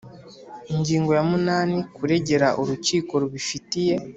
Ingingo ya munani Kuregera urukiko rubifitiye